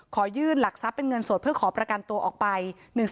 ขอยื่นหลักทรัพย์เป็นเงินสดเพื่อขอประกันตัวออกไป